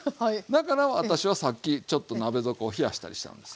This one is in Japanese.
だから私はさっきちょっと鍋底を冷やしたりしたんですよ。